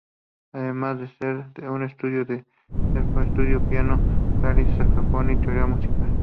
Además de ser un estudioso del solfeo, estudió piano, clarinete, saxofón y teoría musical.